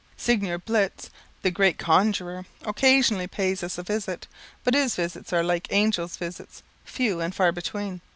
Signor Blitz, the great conjuror, occasionally pays us a visit, but his visits are like angel visits, few and far between.